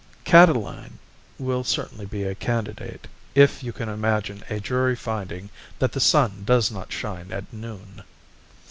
Catiline will certainly be a candidate, if you can imagine a jury finding that the sun does not shine at noon.